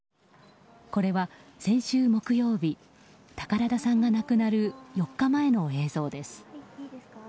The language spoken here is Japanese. これは、先週木曜日宝田さんが亡くなる４日前の映像です。